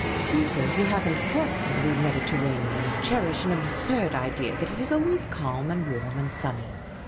People who have n't crossed the blue Mediterranean cher ish an absurd idea that it is always calm and warm and sunny.